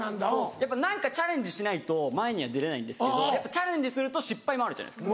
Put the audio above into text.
やっぱ何かチャレンジしないと前には出れないんですけどやっぱチャレンジすると失敗もあるじゃないですか。